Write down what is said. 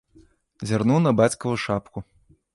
Зірнуў на бацькаву шапку.